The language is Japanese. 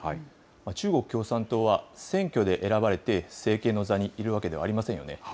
中国共産党は、選挙で選ばれて政権の座にいるわけではありませんよね。